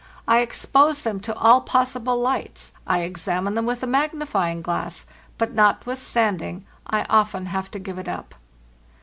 I ex pose them to all possible lights, I examine them with a magnifying glass; but, notwithstanding, I often have to give it up.